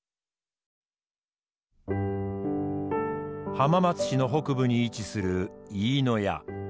浜松市の北部に位置する井伊谷。